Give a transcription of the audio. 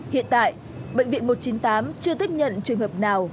hiện tại bệnh viện một trăm chín mươi tám chưa tiếp nhận trường hợp nào